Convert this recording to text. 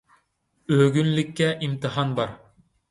ئۆگۈنلۈككە ئىمتىھان بار.